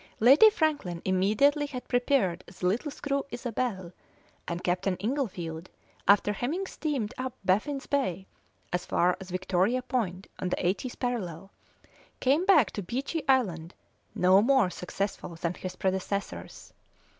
Lady Franklin immediately had prepared the little screw Isabelle, and Captain Inglefield, after having steamed up Baffin's Bay as far as Victoria Point on the eightieth parallel, came back to Beechey Island no more successful than his predecessors.